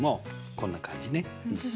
こんな感じね。